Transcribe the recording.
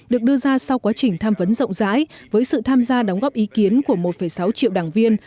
được đưa ra sau quá trình tham vấn rộng rãi với sự tham gia đóng góp ý kiến của một sáu triệu đảng viên